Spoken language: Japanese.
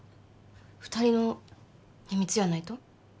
二人の秘密やないと？